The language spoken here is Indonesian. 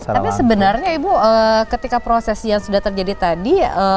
tapi sebenarnya ibu ketika proses yang sudah terjadi tadi